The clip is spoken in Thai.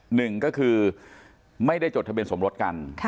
หนึ่งก็คือไม่ได้จดทะเบียนสมรสกัน